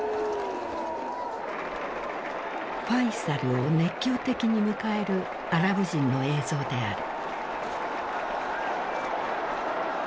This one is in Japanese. ファイサルを熱狂的に迎えるアラブ人の映像である。